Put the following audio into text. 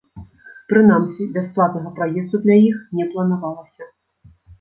Прынамсі, бясплатнага праезду для іх не планавалася.